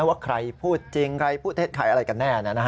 ว่าใครพูดจริงใครพูดเท็จใครอะไรกันแน่